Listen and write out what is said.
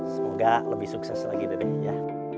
semoga lebih sukses lagi darinya